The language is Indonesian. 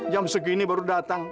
jam segini baru datang